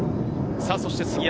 そして杉山。